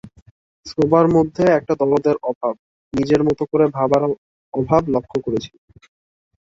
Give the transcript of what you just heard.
সবার মধ্যে একটা দরদের অভাব, নিজের মতো করে ভাবার অভাব লক্ষ করেছি।